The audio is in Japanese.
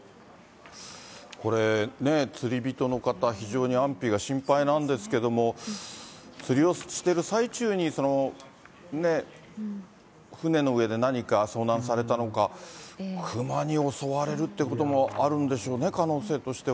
これ、ね、釣り人の方、非常に安否が心配なんですけども、釣りをしている最中に、ね、船の上で何か遭難されたのか、クマに襲われるっていうこともあるんでしょうね、可能性としては。